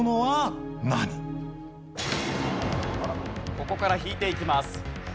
ここから引いていきます。